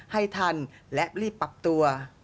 ให้ทันและรีบปรับตัว